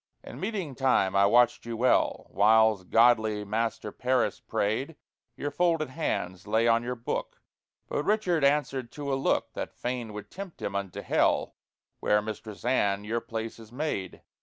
In meetinge time I watched you well, Whiles godly Master Parris prayed: Your folded hands laye on your booke; But Richard answered to a looke That fain would tempt him unto hell, Where, Mistress Anne, your place is made.